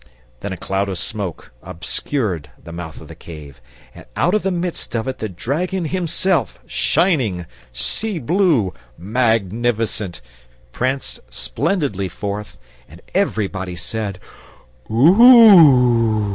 Then a cloud of smoke obscured the mouth of the cave, and out of the midst of it the dragon himself, shining, sea blue, magnificent, pranced splendidly forth; and everybody said, "Oo oo oo!"